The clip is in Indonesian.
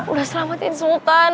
udah selamatin sultan